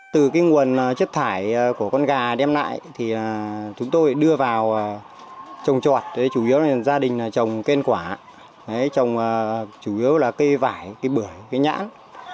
từ cái nguồn chất thải của con gà đem lại thì chúng tôi đưa vào trồng trọt chủ yếu là gia đình trồng cây quả trồng chủ yếu là cây vải cây bưởi cây nhãn